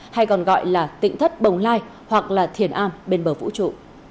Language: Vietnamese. hay còn gọi là tỉnh thất bồng lai hoặc là thiền am bên bờ vũ trụ